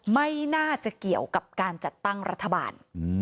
ไม่น่าจะเกี่ยวกับการจัดตั้งรัฐบาล